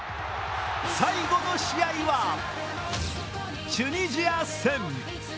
最後の試合はチュニジア戦。